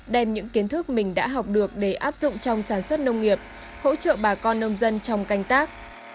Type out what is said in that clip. đem những kiến thức mình đã học được để áp dụng trong sản xuất nông nghiệp hỗ trợ bà con nông dân trong canh tác